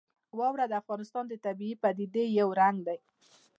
واوره د افغانستان د طبیعي پدیدو یو رنګ دی.